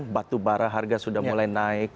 batu bara harga sudah mulai naik